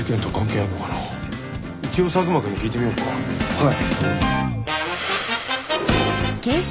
はい。